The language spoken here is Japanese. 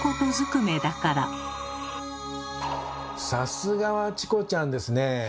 さすがはチコちゃんですね。